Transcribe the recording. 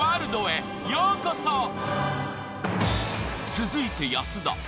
［続いて安田］